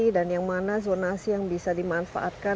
dan yang mana zonasi yang bisa dimanfaatkan